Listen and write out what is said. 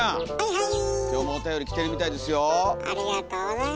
はい。